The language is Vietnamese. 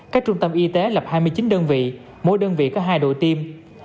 các trung tâm y tế lập hai mươi chín đơn vị mỗi đơn vị có hai đội tiêm